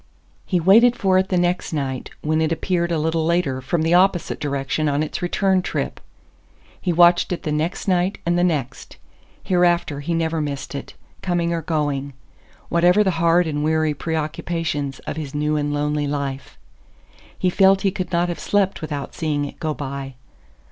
He waited for it the next night, when it appeared a little later from the opposite direction on its return trip. He watched it the next night and the next. Hereafter he never missed it, coming or going whatever the hard and weary preoccupations of his new and lonely life. He felt he could not have slept without seeing it go by.